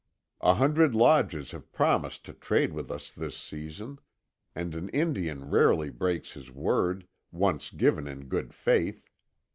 A hundred lodges have promised to trade with us this season, and an Indian rarely breaks his word, once given in good faith.